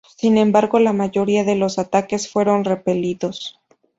Sin embargo, la mayoría de los ataques fueron repelidos.